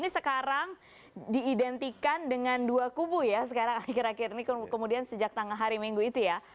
ini sekarang diidentikan dengan dua kubu ya sekarang akhir akhir ini kemudian sejak tanggal hari minggu itu ya